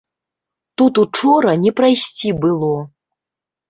Тут учора не прайсці было!